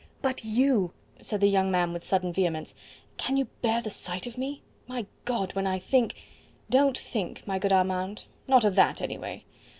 "But you " said the young man with sudden vehemence; "can you bear the sight of me? My God! when I think " "Don't think, my good Armand not of that anyway.